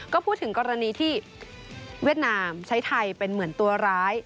ก็พูดถึงกรณีที่เวียดนามใช้ไทยเป็นเหมือนตัวร้าย